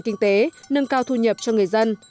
kinh tế nâng cao thu nhập cho người dân